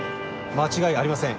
間違いありません。